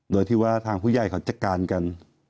โดยที่ว่าทางผู้ใหญ่เขาจัดการกัน